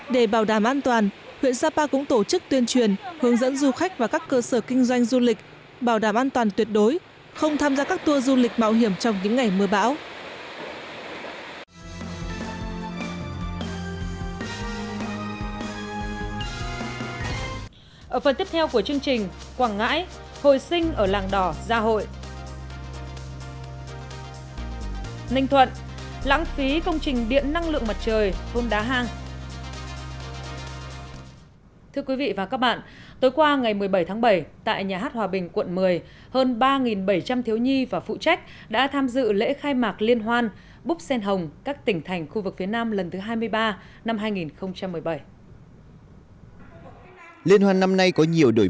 để bảo đảm an toàn huyện sapa cũng tổ chức tuyên truyền hướng dẫn du khách vào các cơ sở kinh doanh du lịch bảo đảm an toàn tuyệt đối không tham gia các tour du lịch mạo hiểm trong những ngày mưa bão